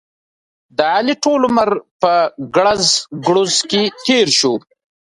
د علي ټول عمر په ګړزې ګړوزې کې تېر شو.